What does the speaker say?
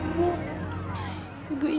ibu ingin sekali menggandaimu